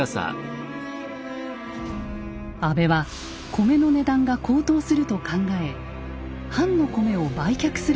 安倍は米の値段が高騰すると考え藩の米を売却することを進言します。